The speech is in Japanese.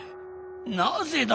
なぜだ。